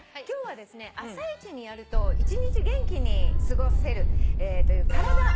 今日は朝イチにやると１日元気に過ごせる。